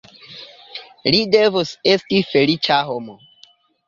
Li devus esti feliĉa homo.